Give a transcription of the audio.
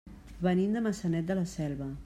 Venim de Maçanet de la Selva.